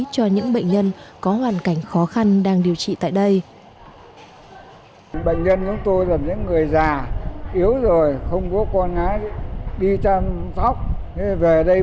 cho những bệnh nhân có hoàn cảnh khó khăn đang điều trị tại đây